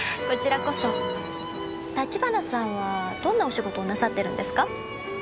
立花さんはどんなお仕事をなさってるんですか？